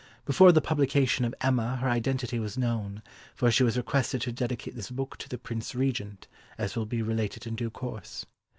Before the publication of Emma her identity was known, for she was requested to dedicate this book to the Prince Regent, as will be related in due course.